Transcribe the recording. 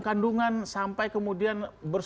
kandungan sampai kemudian